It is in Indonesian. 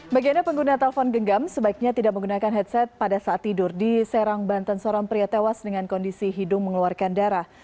bagi anda pengguna telpon genggam sebaiknya tidak menggunakan headset pada saat tidur di serang banten seorang pria tewas dengan kondisi hidung mengeluarkan darah